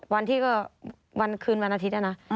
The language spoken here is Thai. วันที่ก็วันคืนวันอาทิตย์นะ